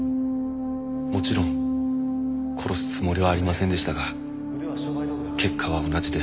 「もちろん殺すつもりはありませんでしたが結果は同じです」